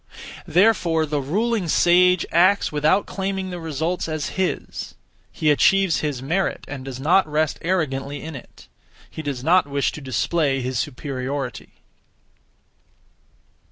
Therefore the (ruling) sage acts without claiming the results as his; he achieves his merit and does not rest (arrogantly) in it: he does not wish to display his superiority.